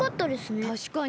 たしかに。